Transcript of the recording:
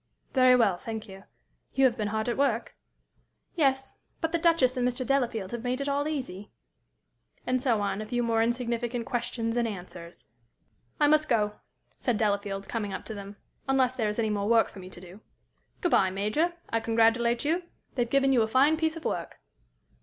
"Very well, thank you. You have been hard at work?" "Yes, but the Duchess and Mr. Delafield have made it all easy." And so on, a few more insignificant questions and answers. "I must go," said Delafield, coming up to them, "unless there is any more work for me to do. Good bye, Major, I congratulate you. They have given you a fine piece of work."